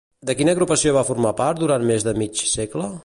De quina agrupació va formar part durant més de mig segle?